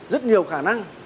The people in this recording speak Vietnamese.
rất nhiều khả năng